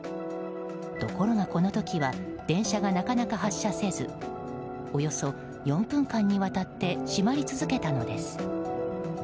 ところが、この時は電車がなかなか発車せずおよそ４分間にわたって閉まり続けたのです。